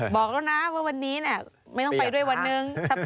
บอกแล้วนะว่าวันนี้ไม่ต้องไปด้วยวันหนึ่ง